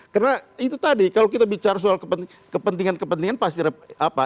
karena itu tadi kalau kita bicara soal kepentingan kepentingan pasti ada apa